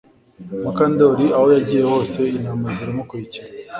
Mukandoli aho yagiye hose intama ziramukurikira